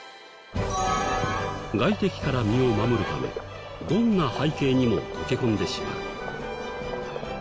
外敵から身を守るためどんな背景にも溶け込んでしまう。